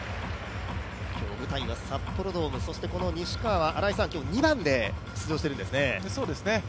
舞台は札幌ドーム、この西川は今日２番で出場しているんですね。